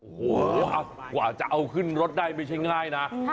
โอ้โหกว่าจะเอาขึ้นรถได้ไม่ใช่ง่ายนะ